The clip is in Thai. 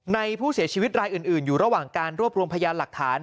ในผู้เสียชีวิตรายอื่นอยู่ระหว่างการรวบรวมพยานหลักฐาน